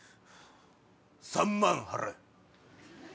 ３万払え。